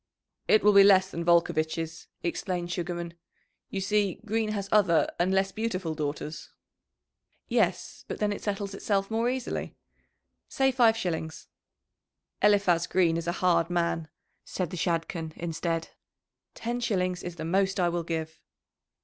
"It will be less than Volcovitch's," explained Sugarman. "You see, Green has other and less beautiful daughters." "Yes; but then it settles itself more easily. Say five shillings." "Eliphaz Green is a hard man," said the Shadchan instead. "Ten shillings is the most I will give!"